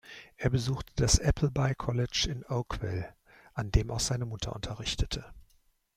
Er besuchte das Appleby College in Oakville, an dem auch seine Mutter unterrichtete.